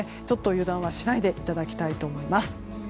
油断はしないでいただきたいと思います。